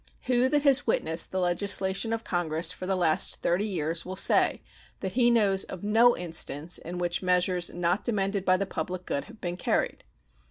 Who that has witnessed the legislation of Congress for the last thirty years will say that he knows of no instance in which measures not demanded by the public good have been carried?